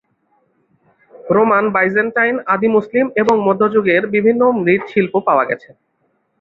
Roman, Byzantine, আদি মুসলিম এবং মধ্যযুগের বিভিন্ন মৃৎশিল্প পাওয়া গেছে।